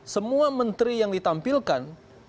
semua menteri yang ditampilkan